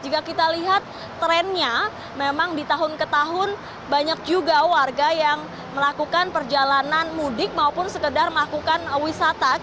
jika kita lihat trennya memang di tahun ke tahun banyak juga warga yang melakukan perjalanan mudik maupun sekedar melakukan wisata